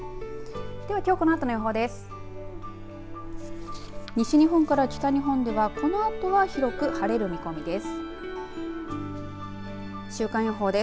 ではきょうこのあとの予報です。